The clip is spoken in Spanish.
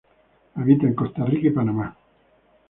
Habita en Costa Rica y Panamá.